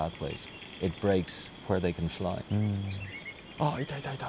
あっいたいたいた。